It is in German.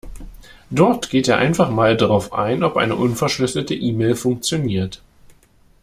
Dort geht er einfach mal darauf ein, ob eine unverschlüsselte E-Mail funktioniert.